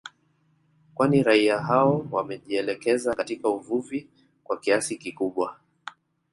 Kwani raia hao wamejielekeza katika uvuvi kwa kiasi kikubwa